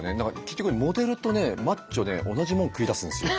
結局モデルとねマッチョね同じもん食いだすんですよ。